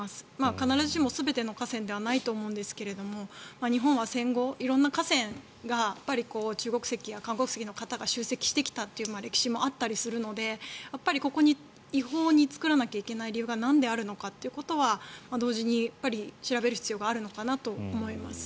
必ずしも全ての河川ではないと思いますが日本は戦後、色んな河川が中国籍や韓国籍の方が集積してきたっていう歴史もあったりするのでここに違法に作らなきゃいけない理由がなんであるのかというのは同時に調べる必要があるのかなと思います。